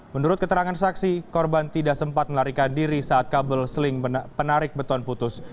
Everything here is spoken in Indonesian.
menurut keterangan saksi korban tidak sempat melarikan diri saat kabel seling penarik beton putus